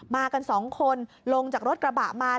มากัน๒คนลงจากรถกระบะมา